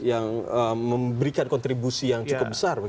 yang memberikan kontribusi yang cukup besar